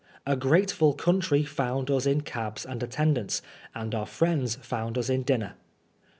A grateful country found us in cabs and attendants, and our friends found us in dinner.